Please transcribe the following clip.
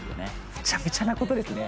むちゃくちゃなことですね。